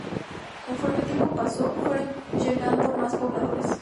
Conforme el tiempo pasó, fueron llegando más pobladores.